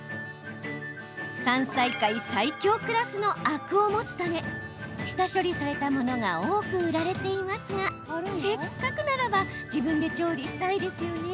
山菜界最強クラスのアクを持つため下処理されたものが多く売られていますがせっかくならば自分で調理したいですよね。